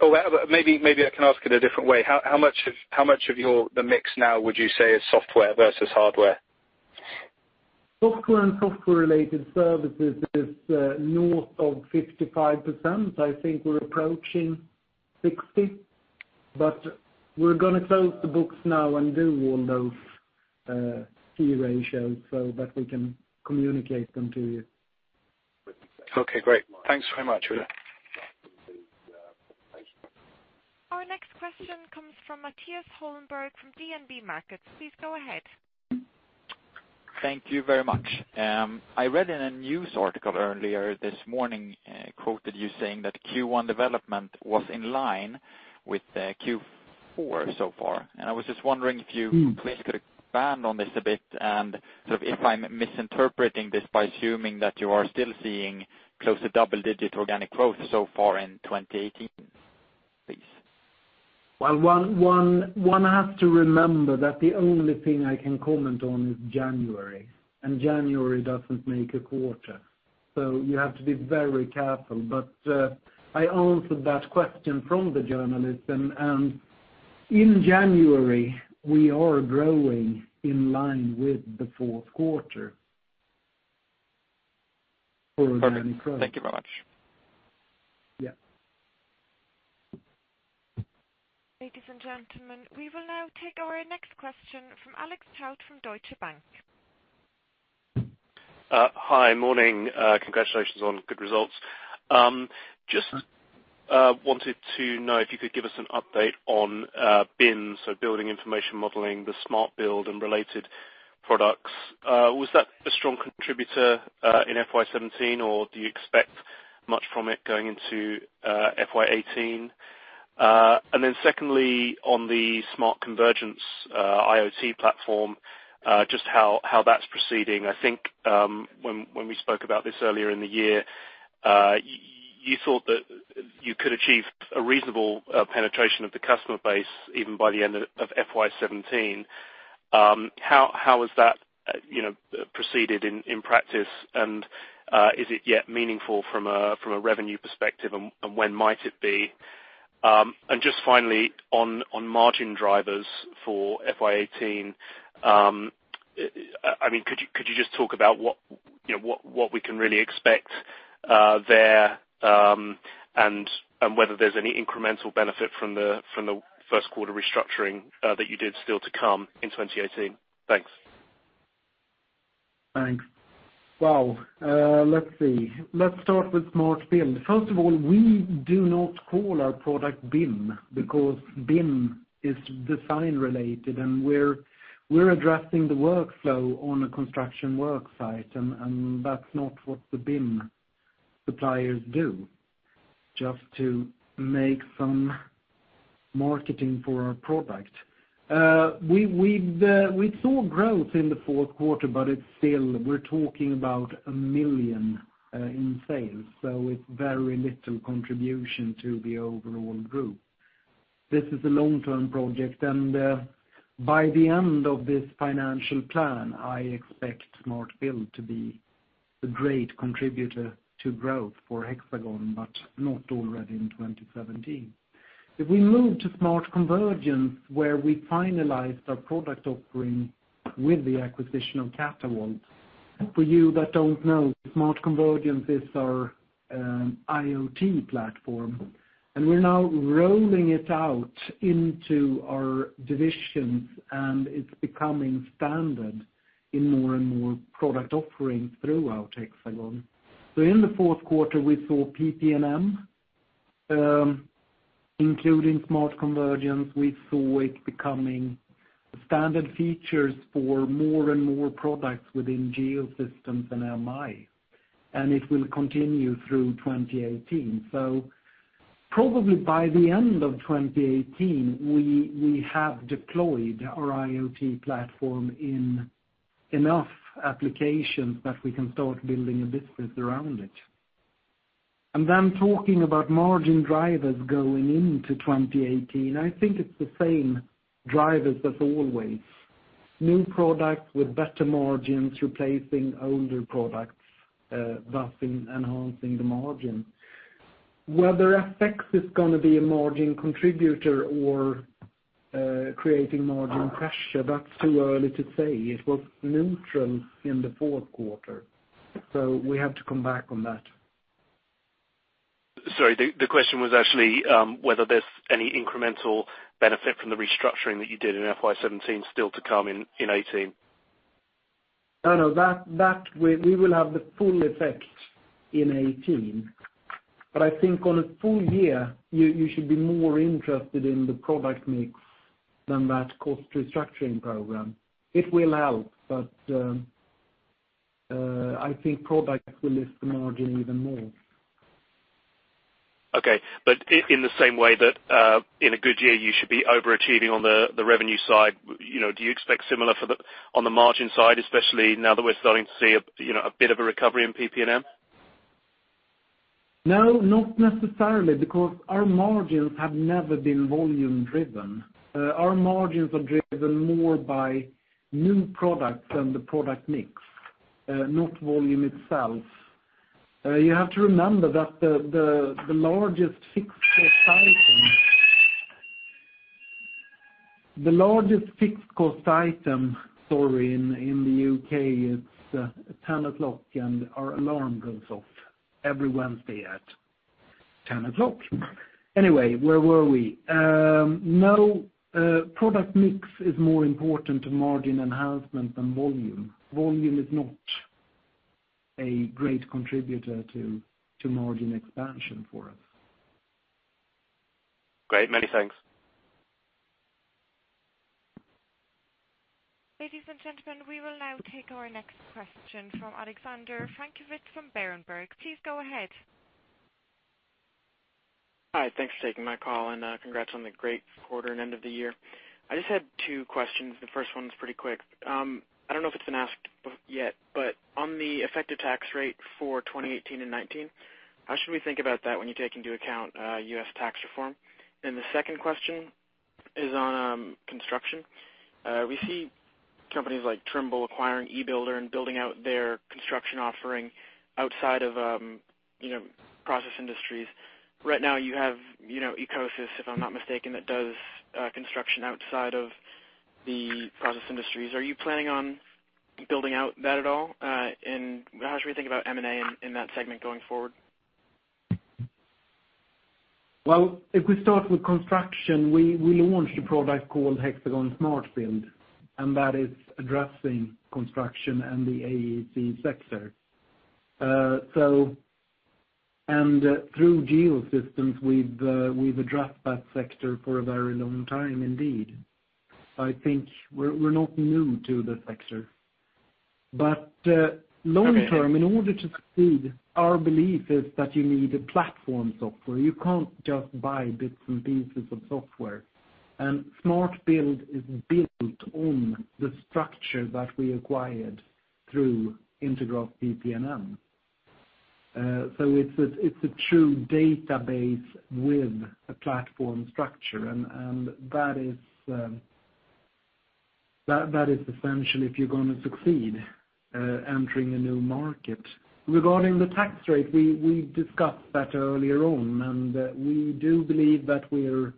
Well, maybe I can ask it a different way. How much of the mix now would you say is software versus hardware? Software and software-related services is north of 55%. I think we're approaching 60, but we're going to close the books now and do all those key ratios so that we can communicate them to you. Okay, great. Thanks very much, Ola. Our next question comes from Mattias Holmberg from DNB Markets. Please go ahead. Thank you very much. I read in a news article earlier this morning, quoted you saying that Q1 development was in line with Q4 so far. I was just wondering if you please could expand on this a bit and if I'm misinterpreting this by assuming that you are still seeing close to double-digit organic growth so far in 2018, please. Well, one has to remember that the only thing I can comment on is January. January doesn't make a quarter, you have to be very careful. I answered that question from the journalist. In January, we are growing in line with the fourth quarter for organic growth. Perfect. Thank you very much. Yeah. Ladies and gentlemen, we will now take our next question from Alex Tout from Deutsche Bank. Hi. Morning. Congratulations on good results. Thanks. Just wanted to know if you could give us an update on BIM, so building information modeling, the Smart Build and related products. Was that a strong contributor in FY 2017, or do you expect much from it going into FY 2018? Secondly, on the Smart Convergence IoT platform, just how that's proceeding. I think when we spoke about this earlier in the year, you thought that you could achieve a reasonable penetration of the customer base even by the end of FY 2017. How has that proceeded in practice, and is it yet meaningful from a revenue perspective, and when might it be? Finally, on margin drivers for FY 2018, could you just talk about what we can really expect there, and whether there's any incremental benefit from the first quarter restructuring that you did still to come in 2018? Thanks. Thanks. Wow. Let's see. Let's start with Smart Build. First of all, we do not call our product BIM, because BIM is design related, and we're addressing the workflow on a construction work site, and that's not what the BIM suppliers do. Just to make some marketing for our product. We saw growth in the fourth quarter, but still, we're talking about a million in sales, so it's very little contribution to the overall group. This is a long-term project, and by the end of this financial plan, I expect Smart Build to be a great contributor to growth for Hexagon, but not already in 2017. If we move to Smart Convergence, where we finalized our product offering with the acquisition of Catavolt. For you that don't know, Smart Convergence is our IoT platform. We're now rolling it out into our divisions. It's becoming standard in more and more product offerings throughout Hexagon. In the fourth quarter, we saw PP&M including Smart Convergence. We saw it becoming standard features for more and more products within Geosystems and MI. It will continue through 2018. Probably by the end of 2018, we will have deployed our IoT platform in enough applications that we can start building a business around it. Talking about margin drivers going into 2018, I think it's the same drivers as always. New products with better margins replacing older products, thus enhancing the margin. Whether FX is going to be a margin contributor or creating margin pressure, that's too early to say. It was neutral in the fourth quarter, so we have to come back on that. Sorry. The question was actually whether there's any incremental benefit from the restructuring that you did in FY 2017 still to come in 2018. No. We will have the full effect in 2018. I think on a full year, you should be more interested in the product mix than that cost restructuring program. It will help, but I think products will lift the margin even more. Okay. In the same way that in a good year, you should be overachieving on the revenue side, do you expect similar on the margin side, especially now that we're starting to see a bit of a recovery in PP&M? No, not necessarily, because our margins have never been volume driven. Our margins are driven more by new products than the product mix, not volume itself. You have to remember that the largest fixed cost item. Sorry. In the U.K., it's 10:00 P.M., and our alarm goes off every Wednesday at 10:00 P.M. Anyway, where were we? No, product mix is more important to margin enhancement than volume. Volume is not a great contributor to margin expansion for us. Great. Many thanks. Ladies and gentlemen, we will now take our next question from Alexander Frankovic from Berenberg. Please go ahead. Hi. Thanks for taking my call, and congrats on the great quarter and end of the year. I just had two questions. The first one is pretty quick. I don't know if it's been asked yet, but on the effective tax rate for 2018 and 2019, how should we think about that when you take into account U.S. tax reform? The second question is on construction. We see companies like Trimble acquiring e-Builder and building out their construction offering outside of process industries. Right now you have EcoSys, if I'm not mistaken, that does construction outside of the process industries. Are you planning on building out that at all? How should we think about M&A in that segment going forward? Well, if we start with construction, we launched a product called HxGN SMART Build, that is addressing construction and the AEC sector. Through Geosystems, we've addressed that sector for a very long time indeed. I think we're not new to the sector. Long-term, in order to succeed, our belief is that you need a platform software. You can't just buy bits and pieces of software. HxGN SMART Build is built on the structure that we acquired through Intergraph PPM. It's a true database with a platform structure, that is essential if you're going to succeed entering a new market. Regarding the tax rate, we discussed that earlier on, we do believe that we're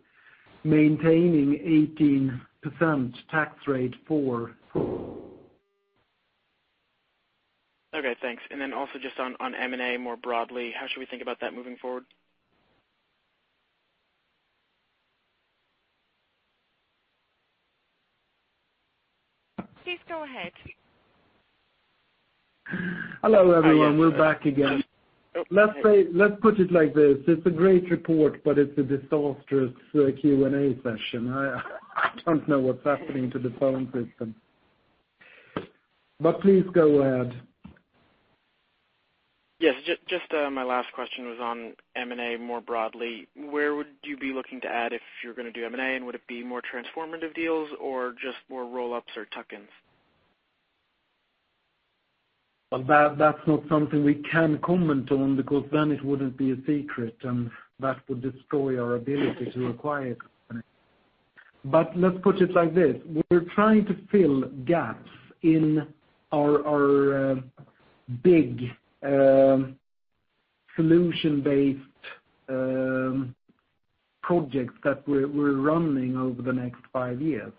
maintaining 18% tax rate for Okay, thanks. Just on M&A more broadly, how should we think about that moving forward? Please go ahead. Hello, everyone. We're back again. Let's put it like this. It's a great report, it's a disastrous Q&A session. I don't know what's happening to the phone system, please go ahead. just my last question was on M&A more broadly. Where would you be looking to add if you're going to do M&A, and would it be more transformative deals or just more roll-ups or tuck-ins? That's not something we can comment on because then it wouldn't be a secret, and that would destroy our ability to acquire company. Let's put it like this, we're trying to fill gaps in our big solution-based projects that we're running over the next five years.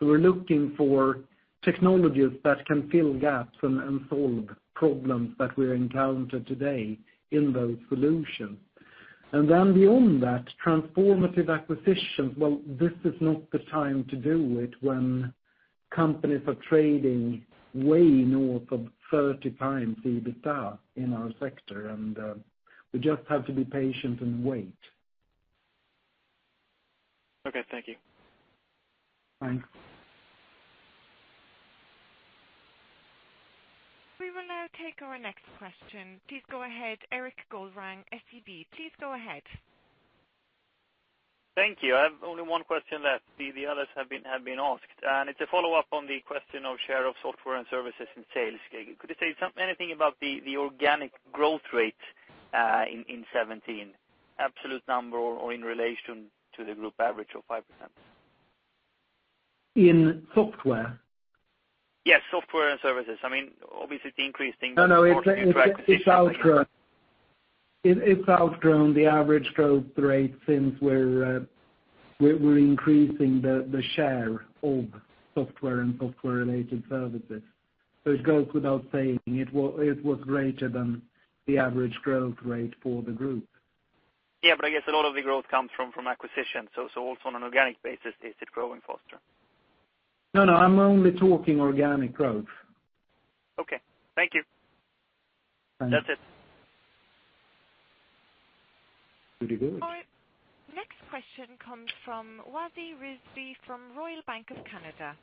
We're looking for technologies that can fill gaps and solve problems that we encounter today in those solutions. Then beyond that, transformative acquisitions, well, this is not the time to do it when companies are trading way north of 30 times the EBITDA in our sector. We just have to be patient and wait. Thank you. Thanks. We will now take our next question. Please go ahead, Erik Pettersson-Golrang, SEB. Please go ahead. Thank you. I have only one question left. The others have been asked. It's a follow-up on the question of share of software and services in sales. Could you say anything about the organic growth rate in 2017, absolute number or in relation to the group average of 5%? In software? Yes, software and services. Obviously the No. thing was mostly through acquisition. It's outgrown the average growth rate since we're increasing the share of software and software-related services. It goes without saying, it was greater than the average growth rate for the group. Yeah, I guess a lot of the growth comes from acquisition. Also on an organic basis, is it growing faster? No, I'm only talking organic growth. Okay. Thank you. Thanks. That's it. Pretty good. Our next question comes from Wajid Rizvi from Royal Bank of Canada.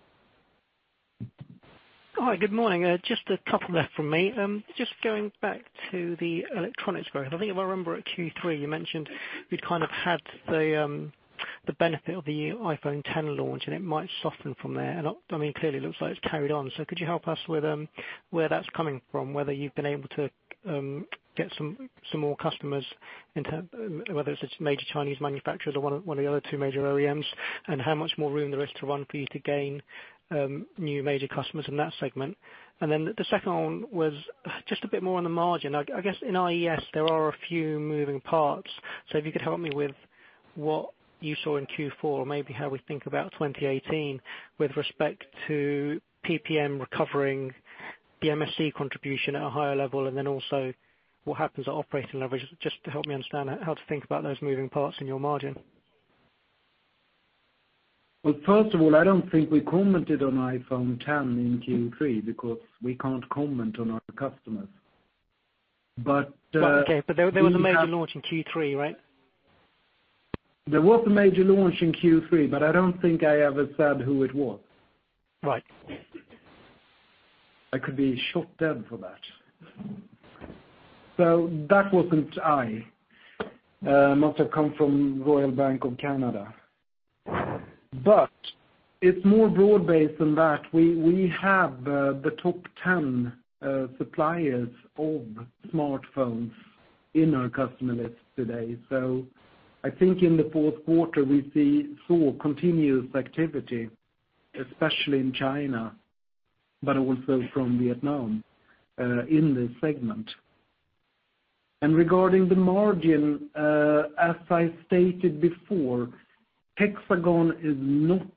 Hi, good morning. Just a couple left from me. Just going back to the electronics growth. I think if I remember at Q3, you mentioned you'd had the benefit of the iPhone X launch, and it might soften from there. Clearly it looks like it's carried on. Could you help us with where that's coming from, whether you've been able to get some more customers, whether it's major Chinese manufacturers or one of the other two major OEMs, and how much more room there is to run for you to gain new major customers in that segment? The second one was just a bit more on the margin. I guess in IES, there are a few moving parts. If you could help me with what you saw in Q4, maybe how we think about 2018 with respect to PPM recovering the MSC contribution at a higher level, and then also what happens at operating leverage, just to help me understand how to think about those moving parts in your margin. First of all, I don't think we commented on iPhone X in Q3 because we can't comment on our customers. Okay. There was a major launch in Q3, right? There was a major launch in Q3, but I don't think I ever said who it was. Right. That wasn't I. It must have come from Royal Bank of Canada. It's more broad-based than that. We have the top 10 suppliers of smartphones in our customer list today. I think in the fourth quarter, we saw continuous activity, especially in China, but also from Vietnam, in this segment. Regarding the margin, as I stated before, Hexagon is not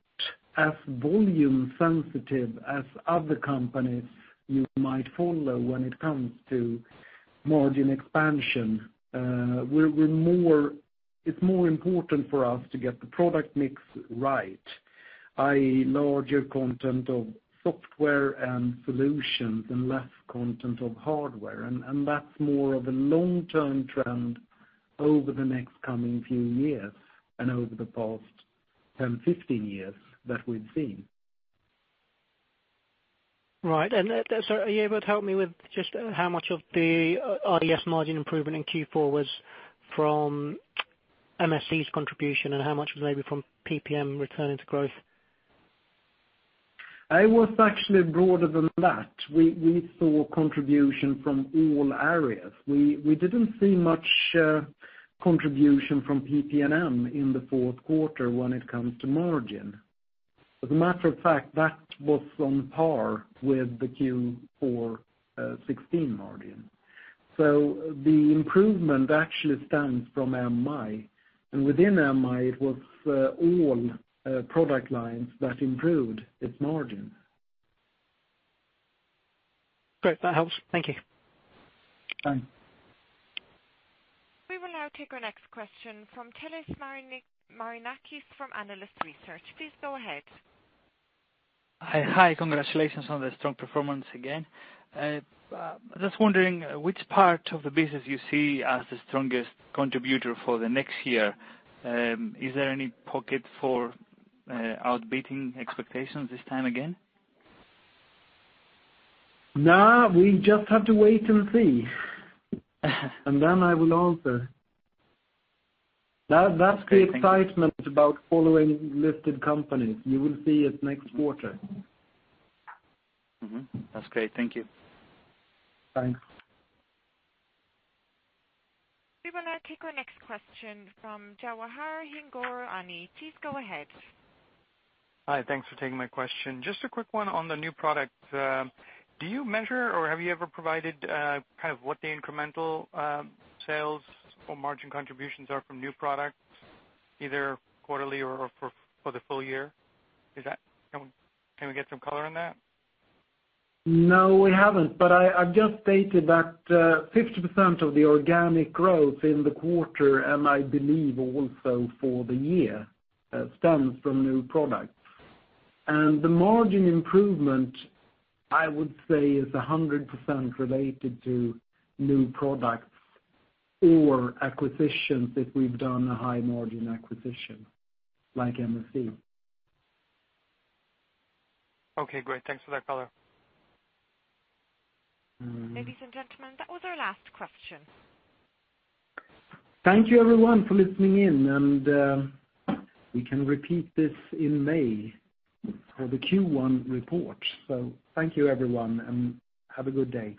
as volume sensitive as other companies you might follow when it comes to margin expansion. It's more important for us to get the product mix right, i.e., larger content of software and solutions and less content of hardware. That's more of a long-term trend over the next coming few years and over the past 10, 15 years that we've seen. Right. Are you able to help me with just how much of the (RDS) margin improvement in Q4 was from MSC's contribution, and how much was maybe from PPM returning to growth? It was actually broader than that. We saw contribution from all areas. We didn't see much contribution from PP&M in the fourth quarter when it comes to margin. As a matter of fact, that was on par with the Q4 '16 margin. The improvement actually stems from MI. Within MI, it was all product lines that improved its margin. Great. That helps. Thank you. Thanks. We will now take our next question from Tellez Marinakis from (Analyst Research). Please go ahead. Hi. Congratulations on the strong performance again. Just wondering which part of the business you see as the strongest contributor for the next year. Is there any pocket for out-beating expectations this time again? No, we just have to wait and see. Then I will answer. Okay, thank you. about following listed companies. You will see it next quarter. Mm-hmm. That's great. Thank you. Thanks. We will now take our next question from Jawahir Hingorani. Please go ahead. Hi. Thanks for taking my question. Just a quick one on the new product. Do you measure or have you ever provided what the incremental sales or margin contributions are from new products, either quarterly or for the full year? Can we get some color on that? I just stated that 50% of the organic growth in the quarter, and I believe also for the year, stems from new products. The margin improvement, I would say, is 100% related to new products or acquisitions if we've done a high-margin acquisition, like MSC. Okay, great. Thanks for that color. Ladies and gentlemen, that was our last question. Thank you, everyone, for listening in. We can repeat this in May for the Q1 report. Thank you, everyone, and have a good day.